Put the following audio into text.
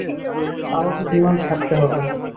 আমাদের বিমান ছাড়তে হবে।